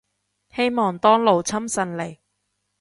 希望當勞侵順利